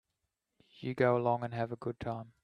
You go along and have a good time.